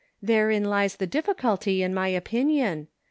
" Therein lies the difficulty in my opinion.